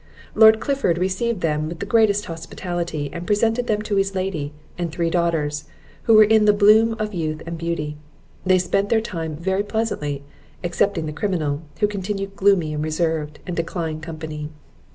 Lord Clifford received them with the greatest hospitality, and presented them to his lady, and three daughters, who were in the bloom of youth and beauty. They spent their time very pleasantly, excepting the criminal, who continued gloomy and reserved, and declined company.